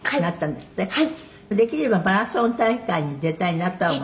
「できればマラソン大会に出たいなと思う？」